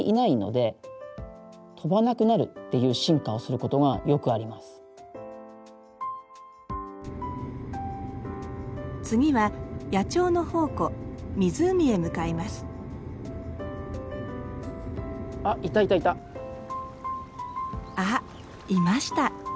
なのでよく次は野鳥の宝庫湖へ向かいますあっいました。